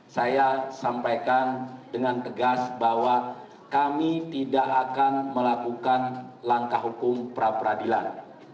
saya sampaikan dengan tegas bahwa kami tidak akan melakukan langkah hukum pra peradilan